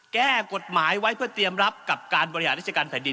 แก้กฎหมายไว้เพื่อเตรียมรับกับการบริหารราชการแผ่นดิน